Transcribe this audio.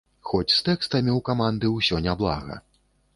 Хоць з тэкстамі ў каманды ўсё няблага.